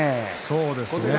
そうですね。